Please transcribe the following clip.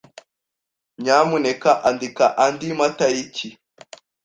Nyamuneka andika andi matariki.